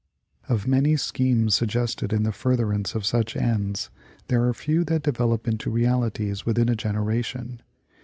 Of many schemes suggested in furtherance of such ends, there are few that develoj:) into I'ealities within a generation.